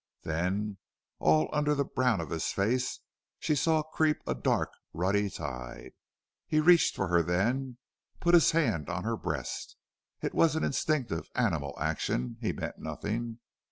Then all under the brown of his face she saw creep a dark, ruddy tide. He reached for her then put his hand on her breast. It was an instinctive animal action. He meant nothing.